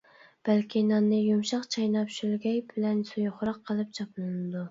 بەلكى ناننى يۇمشاق چايناپ شۆلگەي بىلەن سۇيۇقراق قىلىپ چاپلىنىدۇ.